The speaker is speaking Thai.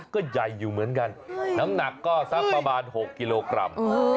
ก็ใหญ่อยู่เหมือนกันน้ำหนักก็สักประมาณ๖กิโลกรัม